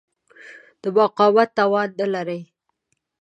د مقاومت توان نه لري.